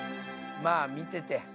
まあ見てて。